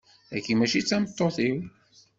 Taki mačči d tameṭṭut-iw.